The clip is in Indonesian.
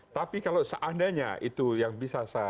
tapi kalau seandainya itu yang bisa saya